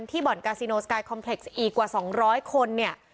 ที่บ่อนกาซิโนสกายคอมเพล็กซ์อีกกว่าสองร้อยคนเนี้ย